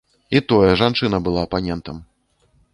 І тое, жанчына была апанентам.